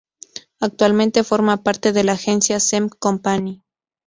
Actualmente forma parte de la agencia Sem Company.